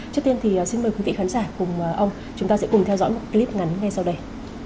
trước tiên thì xin mời quý vị khán giả cùng ông chúng ta sẽ cùng theo dõi một clip ngắn ngay sau đây